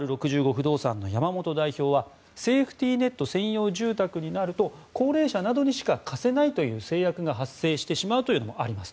不動産の山本代表はセーフティネット専用住宅になると高齢者などにしか貸せないという制約が発生してしまうというのがあります。